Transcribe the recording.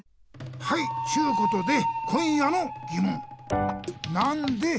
はいちゅうことで今夜のぎもん！